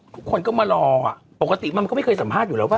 ทุกคนก็มารอปกติมันก็ไม่เคยสัมภาษณ์อยู่แล้วป่